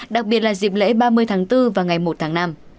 đặc biệt là dịp lễ ba mươi tháng bốn và ngày một tháng năm